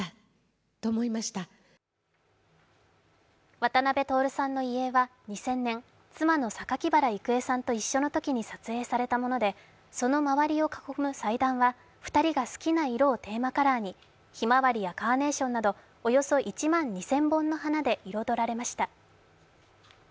渡辺徹さんの遺影は２０００年、妻の榊原郁恵さんと一緒のときに撮影されたもので、その周りを囲む祭壇は２人が好きなものをテーマカラーにひまわりやカーネーションなどおよそ１万２０００本の花で彩られました。